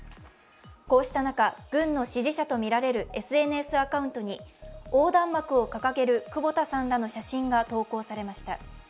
こうした中、軍の支持者とみられるＳＮＳアカウントに横断幕を掲げる久保田さんらの写真が投稿されました。